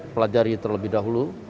pelajari terlebih dahulu